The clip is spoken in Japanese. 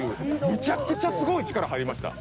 むちゃくちゃすごい力入りました。